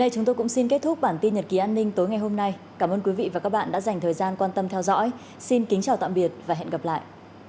các bạn đã dành thời gian quan tâm theo dõi xin kính chào tạm biệt và hẹn gặp lại